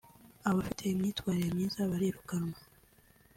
abafite imyitwarire myiza barirukanwa